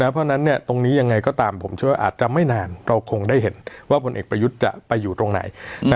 เพราะฉะนั้นตรงนี้ยังไงก็ตามผมเชื่อว่าอาจจะไม่นานเราคงได้เห็นว่าผลเอกประยุทธ์จะไปอยู่ตรงไหน